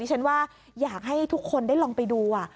ฉันว่าอยากให้ทุกคนได้ลองไปดู